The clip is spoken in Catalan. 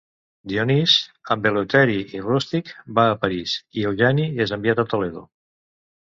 Dionís, amb Eleuteri i Rústic, va a París i Eugeni és enviat a Toledo.